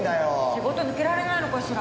仕事抜けられないのかしら？